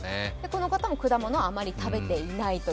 この方も果物をあまり食べていないと。